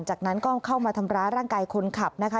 จากนั้นก็เข้ามาทำร้ายร่างกายคนขับนะคะ